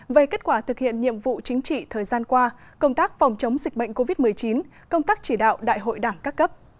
về kết quả thực hiện nhiệm vụ chính trị thời gian qua công tác phòng chống dịch bệnh covid một mươi chín công tác chỉ đạo đại hội đảng các cấp